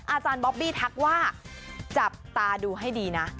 อาจารย์บอบบี้ทักว่าจับตาดูให้ดีนะ